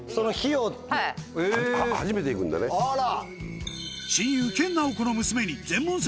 あら！